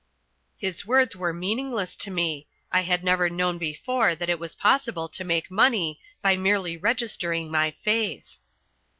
His words were meaningless to me. I had never known before that it was possible to make money by merely registering my face.